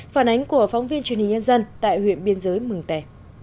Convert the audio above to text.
phản ánh của phóng viên truyền hình nhân dân tại huyện biên giới mừng tè